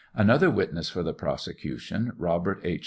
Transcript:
Another witness for the prosecution, Robert H.